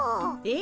え？